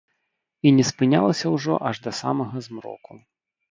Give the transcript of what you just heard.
І не спынялася ўжо аж да самага змроку.